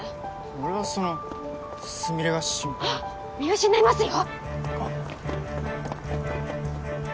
俺はそのスミレが心配であっ見失いますよ